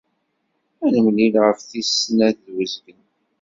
Ad nemlil ɣef tis snat ed wezgen.